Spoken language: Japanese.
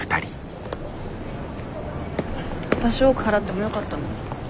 わたし多く払ってもよかったのに。